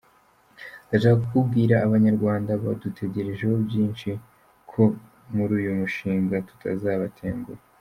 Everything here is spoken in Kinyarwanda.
Ndashaka kubwira abanyarwanda badutegerejeho byinshi ko muri uyu mushinga tutazabatenguha.